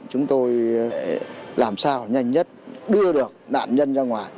chúng tôi làm sao nhanh nhất đưa được nạn nhân ra ngoài